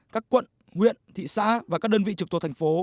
các quận nguyện thị xã và các đơn vị trực tục thành phố